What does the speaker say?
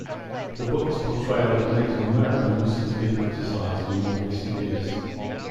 The book's portrayal of Native Americans has been criticized in more recent years.